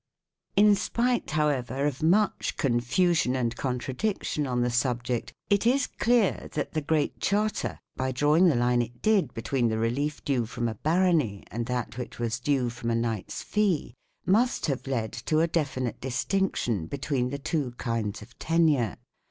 In spite, however, of much confusion and contradic tion on the subject, it is clear that the Great Charter, by drawing the line it did between the relief due from a barony and that which was due from a knight's fee, must have led to a definite distinction between the two kinds of tenure.